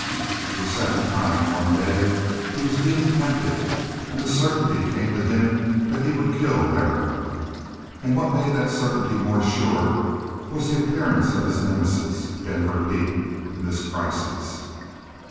For the second time in one day he was being tempted, and the certainty came to him that he would kill Larrimer. And what made that certainty more sure was the appearance of his nemesis, Denver Pete, in this crisis.